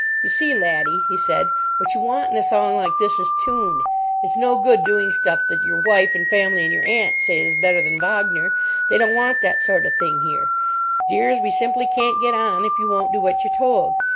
"You see, laddie," he said, "what you want in a song like this is tune. It's no good doing stuff that your wife and family and your aunts say is better than Wagner. They don't want that sort of thing here—Dears, we simply can't get on if you won't do what you're told.